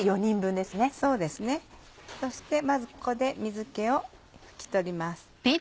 そしてまずここで水気を拭き取ります。